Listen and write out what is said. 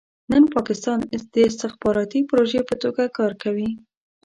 نن پاکستان د استخباراتي پروژې په توګه کار کوي.